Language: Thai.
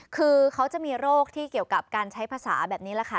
คือเขาจะมีโรคที่เกี่ยวกับการใช้ภาษาแบบนี้แหละค่ะ